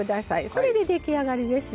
それで出来上がりです。